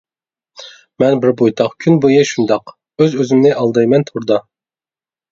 مەن بىر بويتاق كۈن بويى شۇنداق، ئۆز-ئۆزۈمنى ئالدايمەن توردا.